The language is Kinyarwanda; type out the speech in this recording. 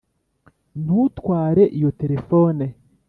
ntutware iyo terefone.